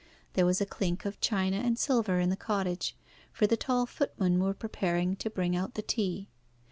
There was a clink of china and silver in the cottage, for the tall footmen were preparing to bring out the tea.